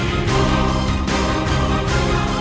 aku sudah menemukan siliwangi